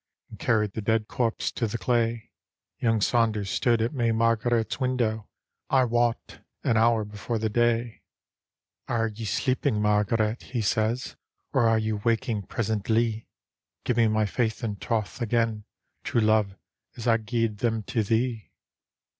And carried the dead corpse to the clay. Young Saunders stood at may Margaret's window, I wot, an hour before the day. D,gt,, erihyGOOgle Clerk Saunders 22\ "Arc ye sleeping, Margaret? " he says, " Or are you waking presentlie? Give me my faith and troth again, True love, as I gied them to thee."